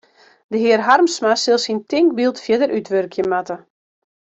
De hear Harmsma sil syn tinkbyld fierder útwurkje moatte.